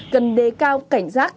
cần đề cao cảnh giác